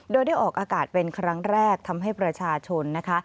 โดยได้ออกอากาศเป็นครั้งแรกทำให้ประชาชนนะคะ